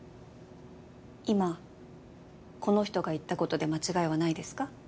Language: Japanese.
今この人が言ったことで間違いはないですか？